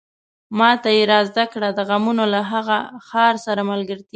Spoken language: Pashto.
ماته يې را زده کړه د غمونو له هغه ښار سره ملګرتيا